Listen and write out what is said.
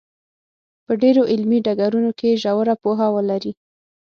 په ډېرو علمي ډګرونو کې ژوره پوهه ولري.